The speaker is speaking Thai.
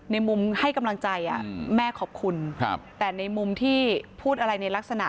ในมุมให้กำลังใจแม่ขอบคุณแต่ในมุมที่พูดอะไรในลักษณะ